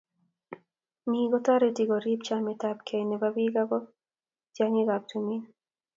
ni kotoreti koriip chametabgei nebo biik ago tyongikab tumin